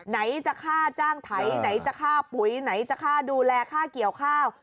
ไหนจะค่าจ้างไถไหนไหนจะค่าปุ๋ยไหนจะค่าดูแลค่าเกี่ยวข้าว